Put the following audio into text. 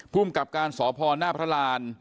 ภูมิกับการสพหน้าพระราน